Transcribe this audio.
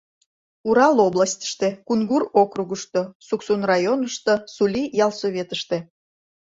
— Урал областьыште, Кунгур округышто, Суксун районышто, Сули ялсоветыште.